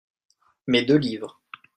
Mes deux livres.